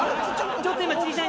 ちょっと今小ちゃい。